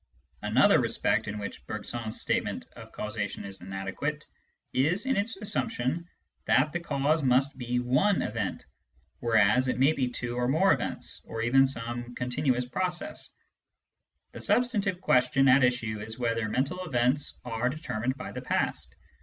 Another respect in which Bergson's statement of causation is inadequate is in its assumption that the cause must be one event, whereas it may be two or more events, or even some continuous process. The substantive question at issue is whether mental events are determined by the past.